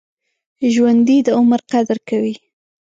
ژوندي د عمر قدر کوي